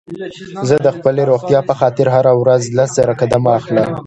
زه د خپلې روغتيا په خاطر هره ورځ لس زره قدمه اخلم